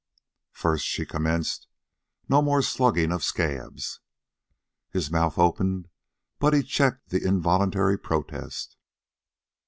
"First," she commenced, "no more slugging of scabs." His mouth opened, but he checked the involuntary protest.